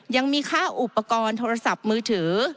ยังมีค่าอุปกรณ์โทรศัพท์มือถือ